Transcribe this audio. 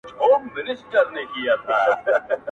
اره، اره، يوم پر غاړه.